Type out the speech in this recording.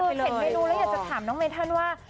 คือเห็นเมนูแล้วอยากจะถามน้องเมนท์ท่านว่า